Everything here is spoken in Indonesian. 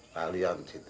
lalu yang situ